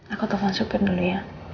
aku mau pergi dulu